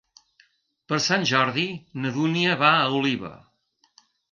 Per Sant Jordi na Dúnia va a Oliva.